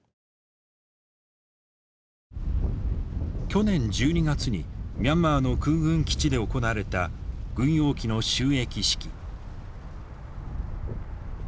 去年１２月にミャンマーの空軍基地で行われた軍用機の就役式。